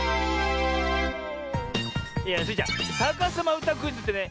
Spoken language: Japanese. スイちゃん「さかさまうたクイズ」ってね